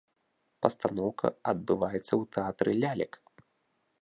Пастаноўка адбываецца у тэатры лялек.